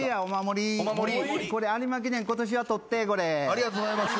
ありがとうございます。